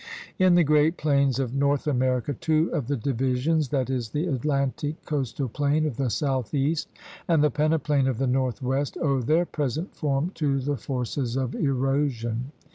In the great plains of North America two of the divisions, that is, the Atlantic coastal plain of the southeast and the peneplain of the northwest, owe their present form to the forces of erosion.